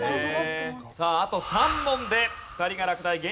さああと３問で２人が落第。